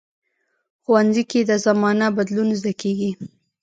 ښوونځی کې د زمانه بدلون زده کېږي